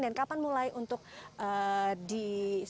dan kapan mulai untuk disediakan